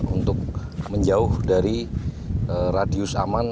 untuk menjauh dari radius aman